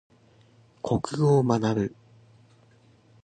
国語を学ぶ。